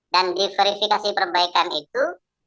dan diverifikasi perbaikan itu